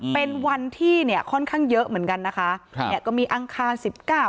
เป็นวันที่เนี่ยค่อนข้างเยอะเหมือนกันนะคะครับเนี่ยก็มีอังคารสิบเก้า